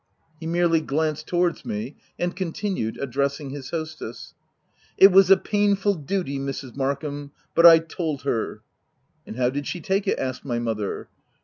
He merely glanced towards me, and continued — addressing his hostess ;— u It was a painful duty, Mrs. Mark ham — but I told her !" "And how did she take it?" asked my mother.